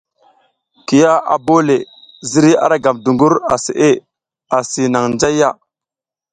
Kiya a bole le ziriy a ra gam dungur a seʼe asi nang njayya.